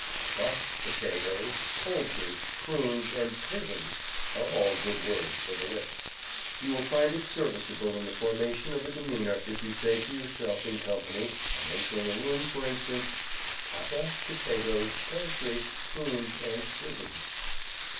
Papa, potatoes, poultry, prunes and prisms are all good words for the lips. You will find it serviceable in the formation of a demeanor, if you say to yourself in company on entering a room, for instance 'Papa, potatoes, poultry, prunes and prisms!'"